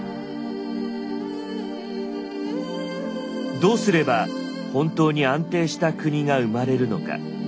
どうすれば本当に安定した国が生まれるのか。